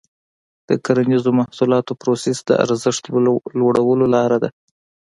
د کرنیزو محصولاتو پروسس د ارزښت لوړولو لاره ده.